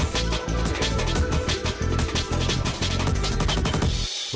ศิษย์